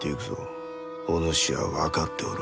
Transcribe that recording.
お主は分かっておろう？